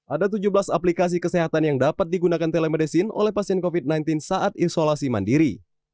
ada tujuh belas aplikasi kesehatan yang dapat digunakan telemedicine oleh pasien covid sembilan belas saat isolasi mandiri